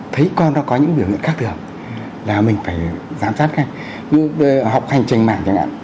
thấy con nó có những biểu hiện khác thường là mình phải giám sát hay học hành trình mạng chẳng hạn